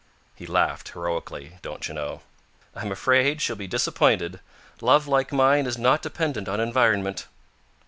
He laughed heroically, don't you know. "I'm afraid she'll be disappointed. Love like mine is not dependent on environment."